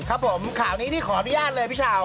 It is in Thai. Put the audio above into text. ครับผมข่าวนี้นี่ขออนุญาตเลยพี่ชาว